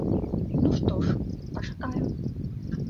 Ну, што ж, пачакаем.